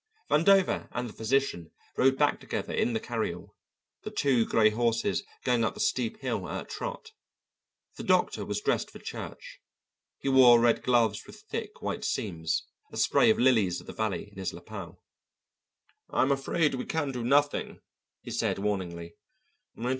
Vandover and the physician rode back together in the carry all, the two gray horses going up the steep hill at a trot. The doctor was dressed for church; he wore red gloves with thick white seams, a spray of lilies of the valley in his lapel. "I'm afraid we can do nothing," he said warningly.